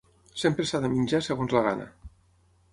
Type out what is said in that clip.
Sempre s'ha de menjar segons la gana.